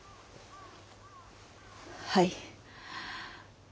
はい。